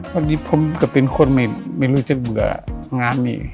วันนี้ผมก็เป็นคนไม่รู้จะเบื่องานนี้